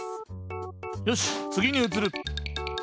よしつぎにうつる。